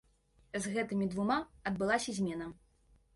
З гэтымі двума адбылася змена.